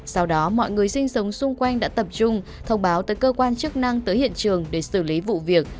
sau đó mọi người sinh sống xung quanh đã tập trung thông báo tới cơ quan chức năng tới hiện trường để xử lý vụ việc